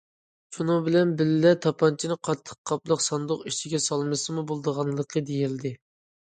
شۇنىڭ بىلەن بىللە، تاپانچىنى قاتتىق قاپلىق ساندۇق ئىچىگە سالمىسىمۇ بولىدىغانلىقى دېيىلدى.